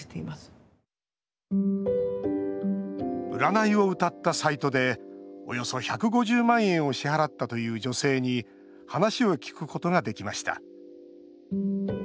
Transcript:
占いをうたったサイトでおよそ１５０万円を支払ったという女性に話を聞くことができました。